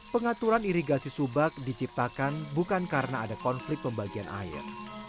pengaturan irigasi subak diciptakan bukan karena ada konflik pembagian air